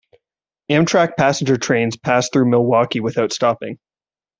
Amtrak passenger trains pass through Milwaukie without stopping.